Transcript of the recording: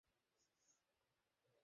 তাহলে আমাকে বিশ্বাস কর?